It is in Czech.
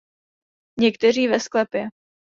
Někteří ve sklepě.